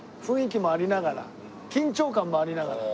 緊張感もありながら。